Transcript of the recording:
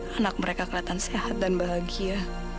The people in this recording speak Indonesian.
anak mereka kelihatan sehat dan bahagia